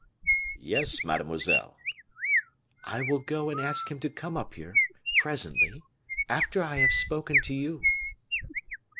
"Yes, mademoiselle." "I will go and ask him to come up here, presently, after I have spoken to you."